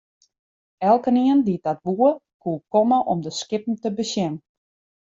Elkenien dy't dat woe, koe komme om de skippen te besjen.